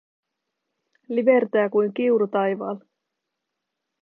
Livertää kuin kiuru taivaalla.